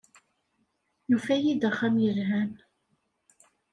Yufa-iyi-d axxam yelhan.